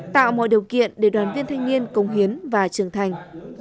tạo mọi điều kiện để đoàn viên thanh niên công hiến và trưởng thành